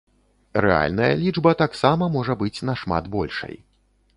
Рэальная лічба таксама можа быць нашмат большай.